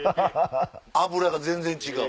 脂が全然違う！